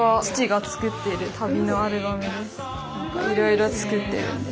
いろいろ作ってるんですって。